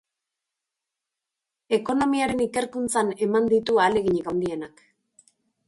Ekonomiaren ikerkuntzan eman ditu ahaleginik handienak.